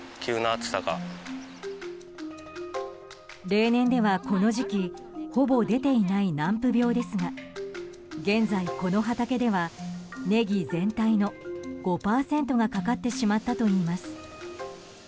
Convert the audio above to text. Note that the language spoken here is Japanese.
例年では、この時期ほぼ出ていない軟腐病ですが現在、この畑ではネギ全体の５％がかかってしまったといいます。